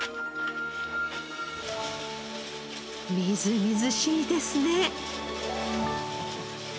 みずみずしいですね！